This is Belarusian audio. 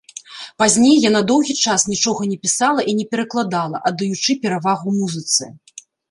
Пазней яна доўгі час нічога не пісала і не перакладала, аддаючы перавагу музыцы.